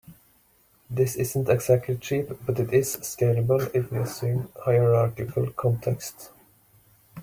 This isn't exactly cheap, but it is scalable if we assume hierarchical contexts.